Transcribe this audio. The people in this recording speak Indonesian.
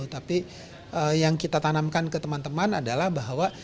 tapi yang kita tanamkan ke teman teman adalah bahwa